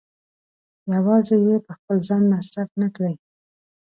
يوازې يې په خپل ځان مصرف نه کړي.